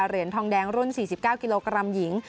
เหรียญทองแดงรุ่น๔๙กิโลกรัมหญิง